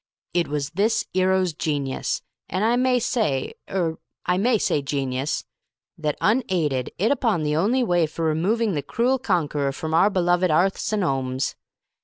It was this 'ero's genius and, I may say er I may say genius that, unaided, 'it upon the only way for removing the cruel conqueror from our beloved 'earths and 'omes.